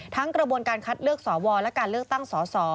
กระบวนการคัดเลือกสวและการเลือกตั้งสส